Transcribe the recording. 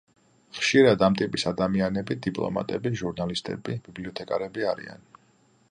ხშირად ამ ტიპის ადამიანები დიპლომატები, ჟურნალისტები, ბიბლიოთეკარები არიან.